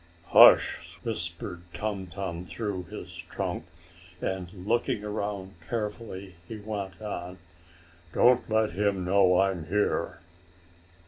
"Hush!" whispered Tum Tum through his trunk, and looking around carefully, he went on: "Don't let him know I'm here!"